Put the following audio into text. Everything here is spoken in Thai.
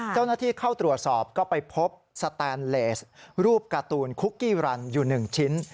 เจ้าหน้าที่เข้าตรวจสอบก็ไปพบสแตนเลสรูปการ์ตูนคุกกี้รันอยู่๑ชิ้น